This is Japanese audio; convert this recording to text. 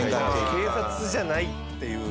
警察じゃないっていう？